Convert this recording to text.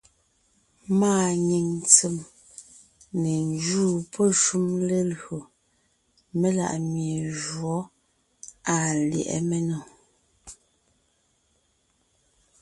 Máa nyìŋ tsèm ne njúu pɔ́ shúm léjÿo melaʼmie jǔɔ àa lyɛ̌ʼɛ ménò.